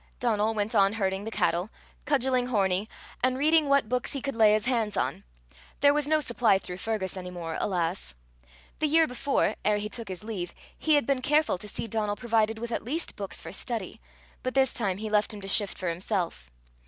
Donal went on herding the cattle, cudgeling Hornie, and reading what books he could lay his hands on: there was no supply through Fergus any more, alas! The year before, ere he took his leave, he had been careful to see Donal provided with at least books for study; but this time he left him to shift for himself.